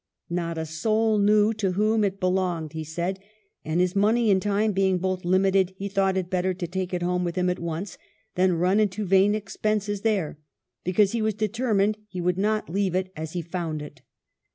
Not a soul knew to whom it be longed, he said ; and his money and time being both limited, he thought it better to take it home with him at once, than run into vain expenses there ; because he was determined he would not leave it as he found it."